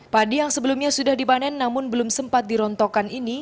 padi yang sebelumnya sudah dipanen namun belum sempat dirontokkan ini